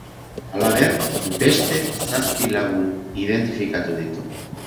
Halaber, beste zazpi lagun identifikatu ditu.